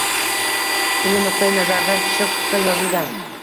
Tili nuqtai nazaridan pishiq-puxta yozilgan.